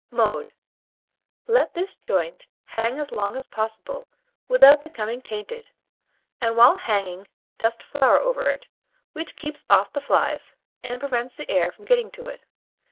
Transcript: Mode. Let this joint hang as long as possible without becoming tainted, and while hanging dust flour over it, which keeps off the flies, and prevents the air from getting to it.